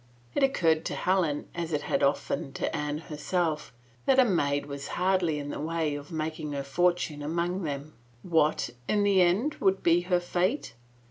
It occurred to Helen, as it had often to Anne herself, that a maid was hardly in the way of making her fortune among them. What, in the end, would be her fate?